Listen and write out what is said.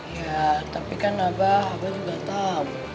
ya tapi kan abah abah juga tahu